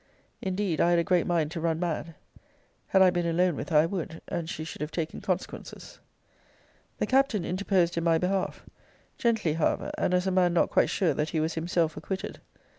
Indeed, I had a great mind to run mad. Had I been alone with her, I would; and she should have taken consequences. The Captain interposed in my behalf; gently, however, and as a man not quite sure that he was himself acquitted.